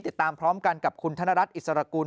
ติดตามพร้อมกันกับคุณธนรัฐอิสรกุล